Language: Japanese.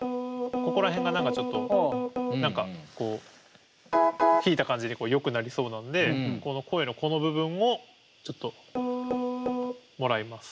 ここら辺が何かちょっと何かこう弾いた感じでよくなりそうなので声のこの部分をちょっともらいます。